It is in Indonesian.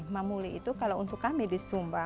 mamuli itu kalau untuk kami di sumba